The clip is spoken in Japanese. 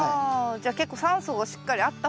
じゃあ結構酸素がしっかりあった方が。